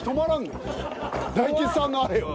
大吉さんのあれよ。